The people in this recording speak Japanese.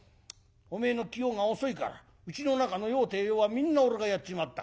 おめえの器用が遅いからうちの中の用てえ用はみんな俺がやっちまった。